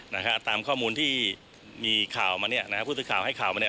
นะฮะตามข้อมูลที่มีข่าวมาเนี้ยนะฮะผู้สื่อข่าวให้ข่าวมาเนี่ย